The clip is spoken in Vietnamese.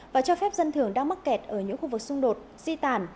và cho phép dân thường đang mắc kẹt ở những khu vực xung đột di tản